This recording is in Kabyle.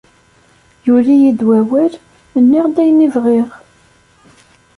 Yuli-yi-d wawal, nniɣ-d ayen i bɣiɣ.